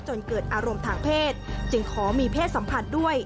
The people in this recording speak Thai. จนเกิดอารมณ์ทางเพศจึงขอมีเพศสัมพันธ์ด้วย